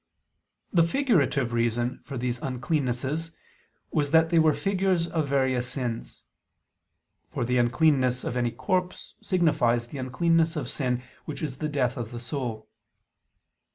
The figurative reason for these uncleannesses was that they were figures of various sins. For the uncleanness of any corpse signifies the uncleanness of sin, which is the death of the soul.